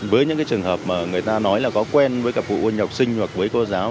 với những cái trường hợp mà người ta nói là có quen với các cụ nguồn học sinh hoặc với cô giáo